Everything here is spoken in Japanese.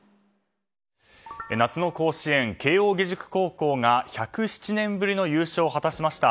夏の甲子園、慶應義塾高校が１０７年ぶりの優勝を果たしました。